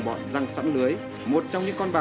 thôi đi không muộn